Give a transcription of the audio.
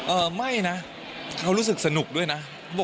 เออไม่นะเขารู้สึกสนุกด้วยนะ